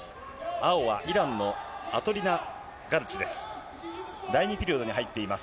青はイランのアトリナガルチです。